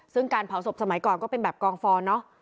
ซึ่งการเผาศพสมัยก่อนก็เป็นแบบกองฟอนเนอะ